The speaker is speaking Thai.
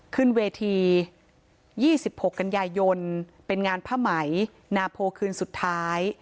ขึ้นเวที๒๖กันยายนเป็นงานผ้าไหมนาโพคืนสุดท้าย